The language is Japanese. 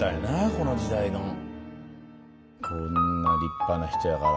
この時代の。こんな立派な人やから。